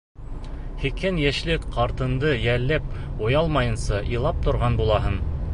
Һикһән йәшлек ҡартыңды йәлләп оялмайынса илап торған булаһың!